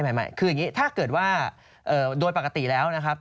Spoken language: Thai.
ไม่คืออย่างนี้ถ้าเกิดว่าโดยปกติแล้วนะครับ